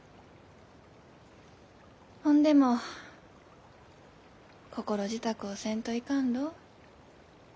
ほんでも心支度をせんといかんろう。